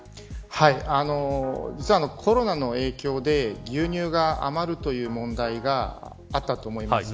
実はコロナの影響で牛乳が余るという問題があったと思います。